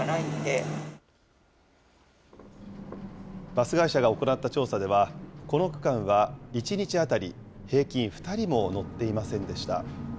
バス会社が行った調査では、この区間は１日当たり平均２人も乗っていませんでした。